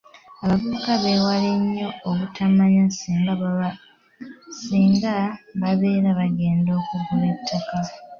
Abavubuka beewale nnyo obutamanya singa babeera bagenda okugula ettaka.